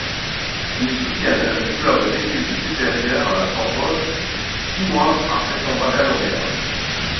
Il soutient un diplôme d’études supérieures à la Sorbonne six mois après son baccalauréat.